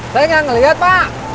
saya enggak melihat pak